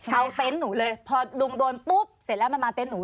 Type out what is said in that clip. เอาเต็นต์หนูเลยพอลุงโดนปุ๊บเสร็จแล้วมันมาเต็นหนู